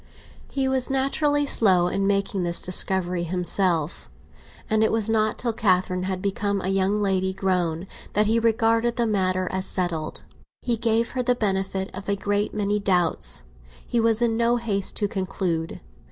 He was naturally slow in making this discovery himself, and it was not till Catherine had become a young lady grown that he regarded the matter as settled. He gave her the benefit of a great many doubts; he was in no haste to conclude.